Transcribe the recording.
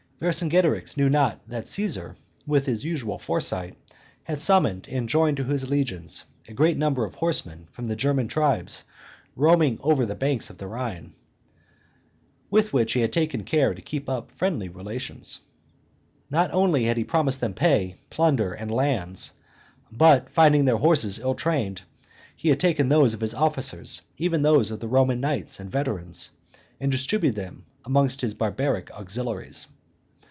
Vercingetorix knew not that Caesar, with his usual foresight, had summoned and joined to his legions a great number of horsemen from the German tribes roving over the banks of the Rhine, with which he had taken care to keep up friendly relations. Not only had he promised them pay, plunder, and lands, but, finding their horses ill trained, he had taken those of his officers, even those of the Roman knights and veterans, and distributed them amongst his barbaric auxiliaries.